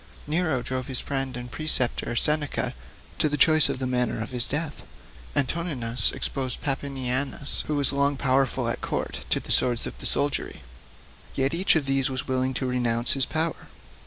Nero drove his friend and preceptor, Seneca, to the choice of the manner of his death. Antoninus exposed Papinianus, who was long powerful at court, to the swords of the soldiery. Yet each of these was willing to renounce his power.